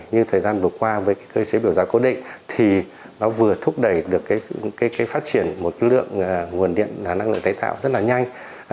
như thời gian vừa qua với cơ chế biểu giá cố định thì nó vừa thúc đẩy được phát triển một lượng nguồn điện năng lượng tái tạo rất là nhanh